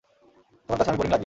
তোমার কাছে আমি বোরিং লাগি!